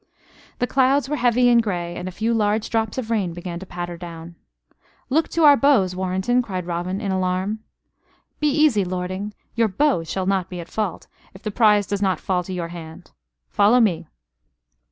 The clouds were heavy and grey, and a few large drops of rain began to patter down. "Look to our bows, Warrenton," cried Robin, in alarm. "Be easy, lording your bow shall not be at fault if the prize does not fall to your hand. Follow me."